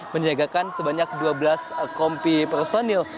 menjagakan sebanyak dua belas kompi personil